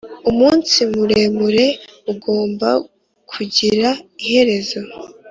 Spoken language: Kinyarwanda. umunsi muremure ugomba kugira iherezo